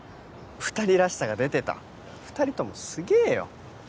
２人らしさが出てた２人ともすげえよ